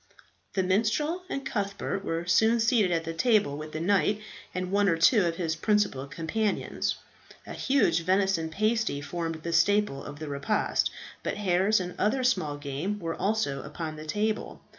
The minstrel and Cuthbert were soon seated at the table with the knight and one or two of his principal companions. A huge venison pasty formed the staple of the repast, but hares and other small game were also upon the table.